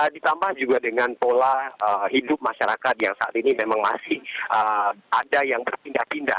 ditambah juga dengan pola hidup masyarakat yang saat ini memang masih ada yang berpindah pindah